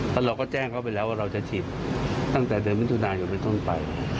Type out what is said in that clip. แล้วเราก็แจ้งเขาไปแล้วว่าเราจะฉีดตั้งแต่เดือนมิถุนายนเป็นต้นไป